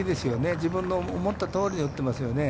自分の思ったとおりに打ってますよね。